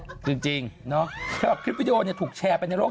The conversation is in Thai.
เนี่ยแหละจริงเนาะคลิปวิดีโอเนี่ยถูกแชร์ไปในโลก